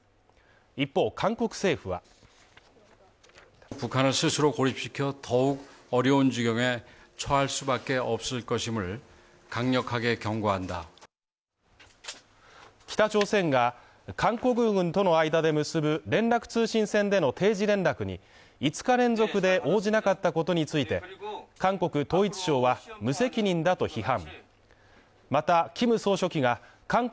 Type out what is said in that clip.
一方、韓国政府は北朝鮮が韓国軍との間で結ぶ連絡通信線での定時連絡に５日連続で応じなかったことについて、韓国統一相は無責任だと批判。